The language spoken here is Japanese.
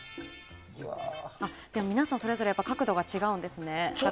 でも、皆さんそれぞれ角度が違うんですね。